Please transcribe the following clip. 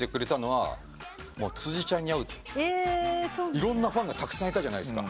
いろんなファンがたくさんいたじゃないですか。